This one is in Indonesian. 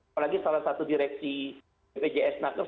apalagi salah satu direksi bpjs nakes